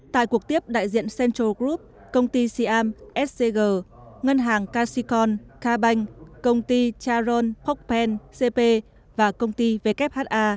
tại cuộc tiếp đại diện central group công ty siam scg ngân hàng cacicon carbank công ty charon hockpen cp và công ty vkha